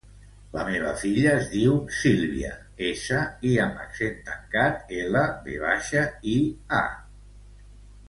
La meva filla es diu Sílvia: essa, i amb accent tancat, ela, ve baixa, i, a.